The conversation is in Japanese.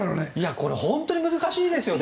これは本当に難しいですよね。